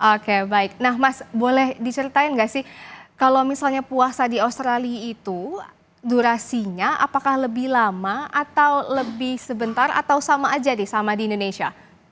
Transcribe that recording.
oke baik nah mas boleh diceritain nggak sih kalau misalnya puasa di australia itu durasinya apakah lebih lama atau lebih sebentar atau sama aja deh sama di indonesia